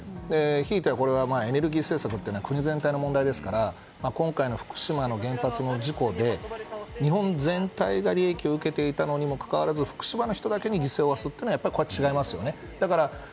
ひいては、エネルギー政策は国全体の問題ですから今回の福島の原発の事故で日本全体が利益を受けていたにもかかわらず福島の人だけに犠牲を負わせるというのはこれは違いますよね。